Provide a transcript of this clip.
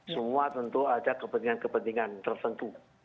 semua tentu ada kepentingan kepentingan tertentu